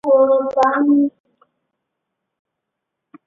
长滩河流过本乡全境。